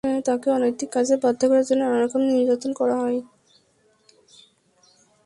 তাকে অনৈতিক কাজে বাধ্য করার জন্য নানা রকম নির্যাতনও করা হয়।